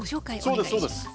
お願いします。